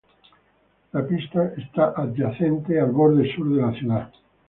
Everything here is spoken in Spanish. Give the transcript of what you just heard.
La pista está adyacente al borde sur de la ciudad.